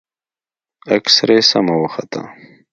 اكسرې سمه وخته.